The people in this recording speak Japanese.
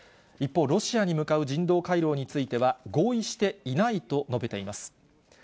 一方、ロシアに向かう人道回廊については、合意していないと述べています。